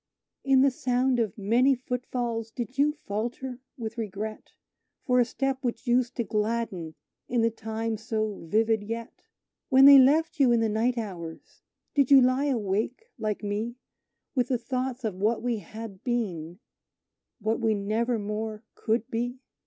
"In the sound of many footfalls, did you falter with regret For a step which used to gladden in the time so vivid yet? When they left you in the night hours, did you lie awake like me, With the thoughts of what we had been what we never more could be?